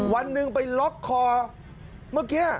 วันหนึ่งไปล็อกคอเมื่อกี้